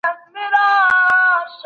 د سرطان د درملنې مرکزونه ګټور دي.